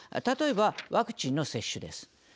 例えば、ワクチンの接種です。